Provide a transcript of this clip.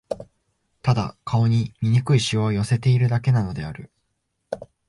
ただ、顔に醜い皺を寄せているだけなのである